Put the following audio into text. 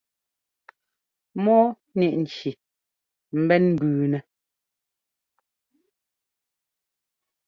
Mɔɔ ŋíʼ nci mbɛ̌n mbʉʉnɛ́.